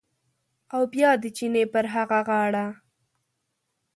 او بیا د چینې پر هغه غاړه